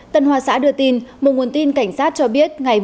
tân hòa xã đưa tin một nguồn tin cảnh sát cho biết